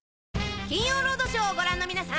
『金曜ロードショー』をご覧の皆さん